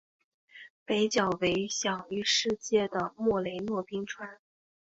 北角为享誉世界的莫雷诺冰川。